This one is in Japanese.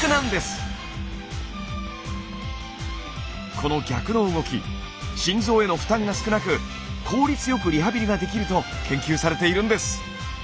この逆の動き心臓への負担が少なく効率よくリハビリができると研究されているんです。